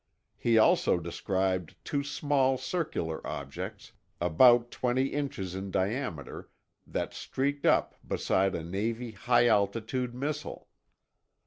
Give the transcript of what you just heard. He also described two small circular objects, about twenty inches in diameter, that streaked up beside a Navy high altitude missile.